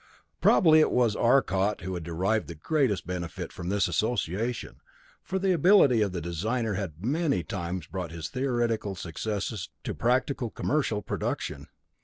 Probably it was Arcot who derived the greatest benefit from this association, for the ability of the designer had many times brought his theoretical successes to practical commercial production.